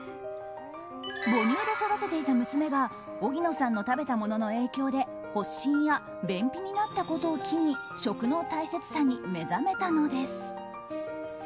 母乳で育てていた娘が荻野さんの食べたものの影響で発疹や便秘になったことを機に食の大切さに目覚めたのです。